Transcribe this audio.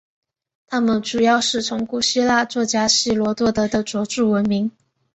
他们主要是从古希腊作家希罗多德的着作闻名。